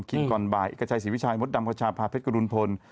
คิงก่อนบ่ายอิกชัยสิวิชัยมดดำกับชาพาเพชรกระดุลพล